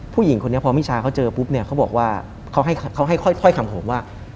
ผู้หญิงคนนี้พอมิชาเขาเจอปุ๊บเนี่ยเขาบอกว่าเขาให้ค่อยคำผมว่า